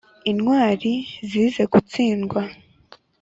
intwari zize gutsindwa,